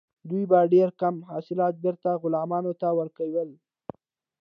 دوی به ډیر کم حاصلات بیرته غلامانو ته ورکول.